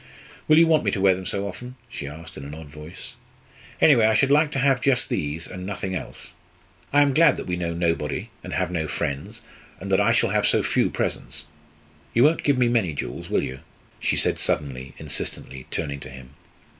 Will you want me to wear them so often?" she asked, in an odd voice. "Anyway, I should like to have just these, and nothing else. I am glad that we know nobody, and have no friends, and that I shall have so few presents. You won't give me many jewels, will you?" she said suddenly, insistently, turning to him.